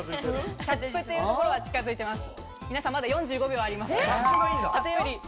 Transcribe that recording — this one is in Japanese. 皆さん、まだ４５秒あります。